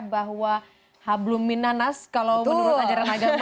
bahwa hablum minanas kalau menurut ajaran agamanya